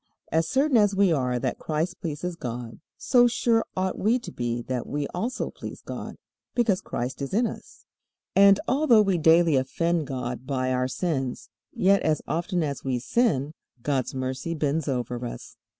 As certain as we are that Christ pleases God, so sure ought we to be that we also please God, because Christ is in us. And although we daily offend God by our sins, yet as often as we sin, God's mercy bends over us.